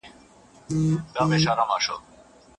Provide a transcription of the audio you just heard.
خدای بېشکه مهربان او نګهبان دی